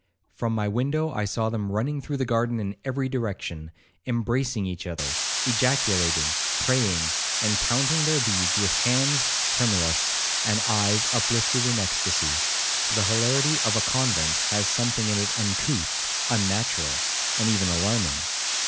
From my window I saw them running through the garden in every direction, embracing each other, ejaculating, praying, and counting their beads with hands tremulous, and eyes uplifted in extacy. The hilarity of a convent has something in it uncouth, unnatural, and even alarming.